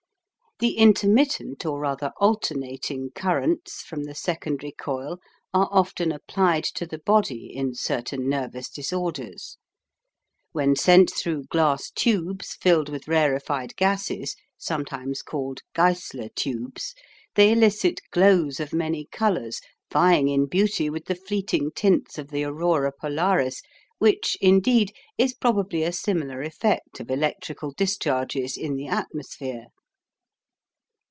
The intermittent, or rather alternating, currents from the secondary coil are often applied to the body in certain nervous disorders. When sent through glass tubes filled with rarefied gases, sometimes called "Geissler tubes," they elicit glows of many colours, vieing in beauty with the fleeting tints of the aurora polaris, which, indeed, is probably a similar effect of electrical discharges in the atmosphere.